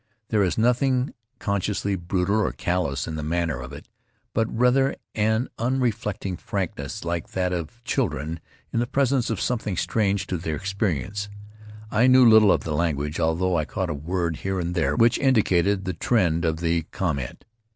There is nothing con sciously brutal or callous in the manner of it, but, rather an unreflecting frankness like that of children in the presence of something strange to their experience. I knew little of the language, although I caught a word here and there which indicated the trend of the com ment.